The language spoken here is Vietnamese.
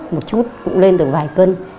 một chút cũng lên được vài cân